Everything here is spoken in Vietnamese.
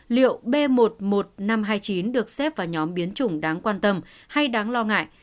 liệu b một mươi một nghìn năm trăm hai mươi chín được xếp vào nhóm biến chủng đáng quan tâm hay đáng lo ngại